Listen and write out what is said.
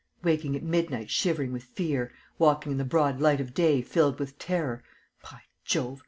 Waking at midnight shivering with fear, walking in the broad light of day filled with terror; by Jove!